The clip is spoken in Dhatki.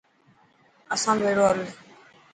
اسان بهڙو هل.